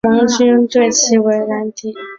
盟军对其为兰迪。